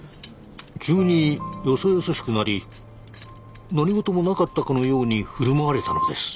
急によそよそしくなり何事もなかったかのように振る舞われたのです。